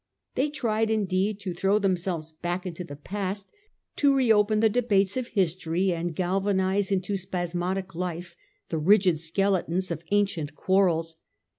They tried, indeed, to throw themselves back into the past, to re open the debates of history, and galvanize into spasmodic life the rigid skeletons of ancient quarrels.